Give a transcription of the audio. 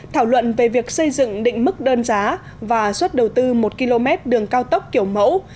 thảo luận về việc xây dựng định mức đơn giá và suất đầu tư một km đường cao tốc kiểu mẫu